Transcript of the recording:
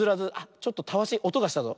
ちょっとたわしおとがしたぞ。